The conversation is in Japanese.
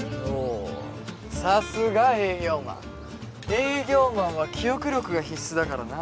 営業マンは記憶力が必須だからな。